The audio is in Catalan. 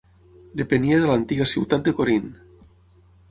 Depenia de l'antiga ciutat de Corint.